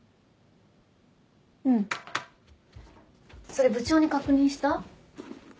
うんそれ部長に確認した？